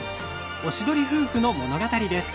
おしどり夫婦の物語です。